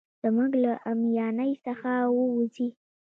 زموږ له اميانۍ څخه ووزي.